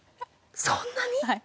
そんなに？